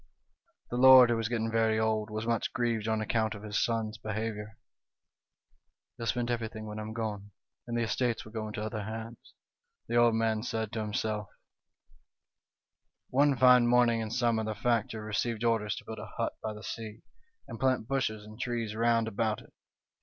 "The lord, who was getting very old, was much grieved on account of his son's behaviour. 'He'll spend everything when I am gone, and the estates 62 The Story of Jo/in o' Groats. will go into other hands,' the old man said to him self. " One fine morning in summer the factor received orders to build a hut by the sea, and plant bushes and trees round about it.